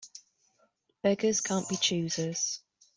Beggars can't be choosers.